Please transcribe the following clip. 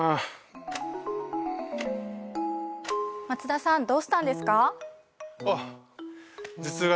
松田さんどうしたんですか？